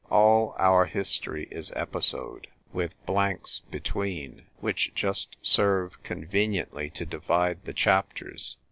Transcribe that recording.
All our history is episode, with blanks between, which just serve conveniently to divide the chapters.